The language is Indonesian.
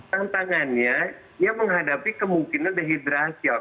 tantangannya ya menghadapi kemungkinan dehidrasi ya